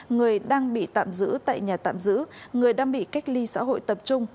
người đang bị tạm giữ tại nhà tạm giữ người đang bị cách ly xã hội tập trung